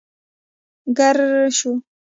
ګررر شو.